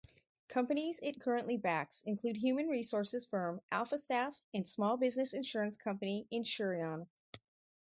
Companies it currently backs include human resources firm AlphaStaff and small-business insurance company Insureon.